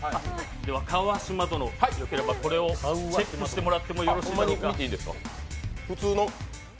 では川島殿、よければこれをチェックしてもらってもよろしいだろうか。